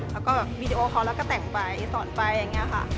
แล้วก็แบบวีดีโอคอลแล้วก็แต่งไปสอนไปอย่างนี้ค่ะ